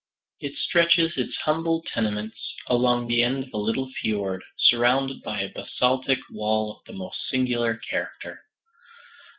It stretches its humble tenements along the end of a little fjord, surrounded by a basaltic wall of the most singular character.